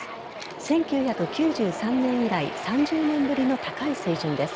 １９９３年以来３０年ぶりの高い水準です。